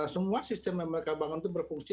semua sistem yang mereka bangun itu berfungsi